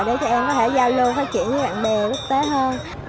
để tụi em có thể giao lưu phát triển với bạn bè quốc tế hơn